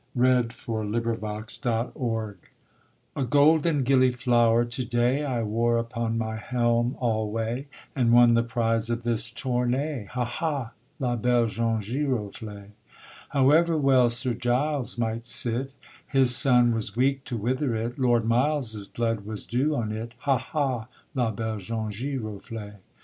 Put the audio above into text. THE GILLIFLOWER OF GOLD A golden gilliflower to day I wore upon my helm alway, And won the prize of this tourney. Hah! hah! la belle jaune giroflée. However well Sir Giles might sit, His sun was weak to wither it, Lord Miles's blood was dew on it: _Hah! hah! la belle jaune giroflée.